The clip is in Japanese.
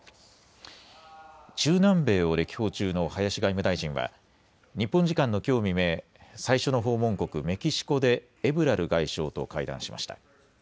中南米を歴訪中の林外務大臣は日本時間のきょう未明最初の訪問国メキシコでエブラル外相と会談しました。